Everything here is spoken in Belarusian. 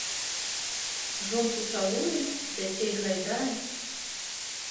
Жонку цалуе, дзяцей гайдае.